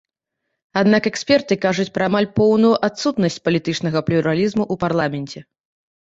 Аднак эксперты кажуць пра амаль поўную адсутнасць палітычнага плюралізму ў парламенце.